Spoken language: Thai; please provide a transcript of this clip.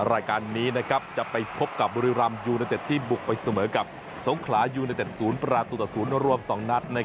รายการนี้จะไปพบกับบุรีรำยูเนเต็ดที่บุกไปเสมอกับสงขลายูเนเต็ด๐ประตูต่อ๐รวม๒นัด